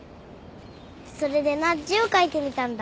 それでな字を書いてみたんだ。